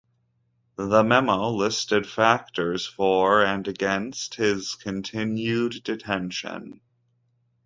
The memo listed factors for and against his continued detention.